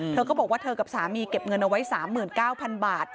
เธอก็บอกว่าเธอกับสามีเก็บเงินเอาไว้๓๙๐๐บาท